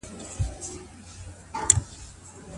شيطان وايي، چي په خاوند مي ميرمن طلاقه کړه.